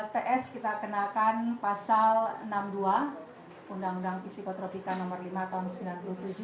ts kita kenakan pasal enam puluh dua undang undang psikotropika nomor lima tahun seribu sembilan ratus sembilan puluh tujuh